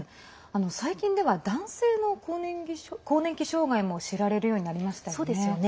最近では男性の更年期障害も知られるようになりましたよね。